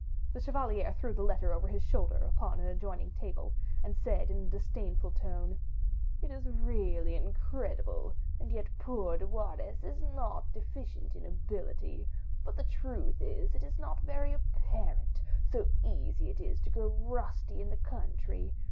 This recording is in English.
The chevalier threw the letter over his shoulder upon an adjoining table, and said in a disdainful tone, "It is really incredible; and yet poor De Wardes is not deficient in ability; but the truth is, it is not very apparent, so easy is it to grow rusty in the country.